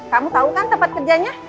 kamu tahu kan tempat kerjanya